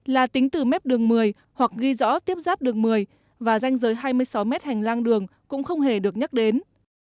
là tính từ mép đường một mươi hoặc ghi rõ tiếp giáp đường một mươi và danh giới hai mươi sáu mét hành lang đường cũng không hề được nhắc đến